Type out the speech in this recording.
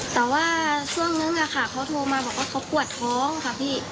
แต่ว่าช่วงนึงเขาโทรมาบอกว่าเขาปวดท้องค่ะพี่